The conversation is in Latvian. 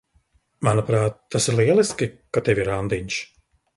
Manuprāt, tas ir lieliski, ka tev ir randiņš.